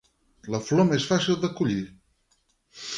La flor més fàcil de collir.